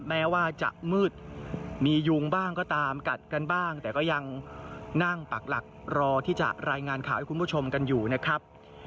แม้ว่าจะมืดมียุงบ้างก็ตามกัดกันบ้างแต่ก็ยังนั่งปักหลักรอที่จะรายงานข่าวให้คุณผู้ชมกันอยู่นะครับ